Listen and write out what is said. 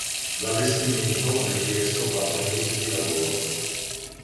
L'allestimento ha richiesto quattro mesi di lavoro.